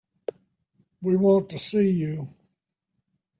We want to see you.